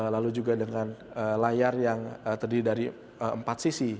lalu juga dengan layar yang terdiri dari empat sisi